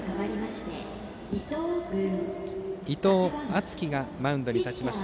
伊藤充輝がマウンドに立ちます。